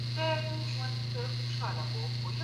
د تفريح او تهذيب معيارونه ښه سول.